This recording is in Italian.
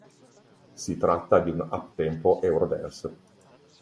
Si tratta di una "up-tempo" eurodance.